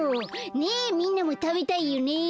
ねえみんなもたべたいよね？